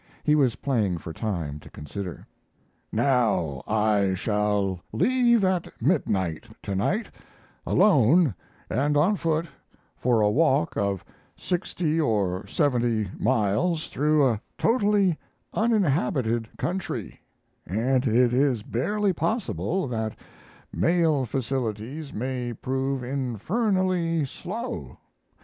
He was playing for time to consider. Now, I shall leave at midnight to night, alone and on foot, for a walk of 60 or 70 miles through a totally uninhabited country, and it is barely possible that mail facilities may prove infernally "slow."